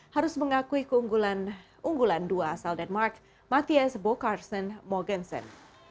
harus mengakui keunggulan dua asal denmark matthias bokarsen mogensen